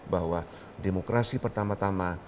bahwa demokrasi pertama tama